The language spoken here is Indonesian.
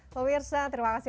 pemirsa terima kasih